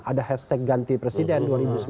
ada hashtag ganti presiden